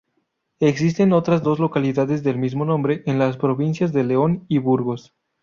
Existen otras dos localidades del mismo nombre en las provincias de León y Burgos.